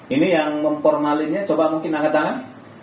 ini yang memformalinnya coba mungkin angkat tangan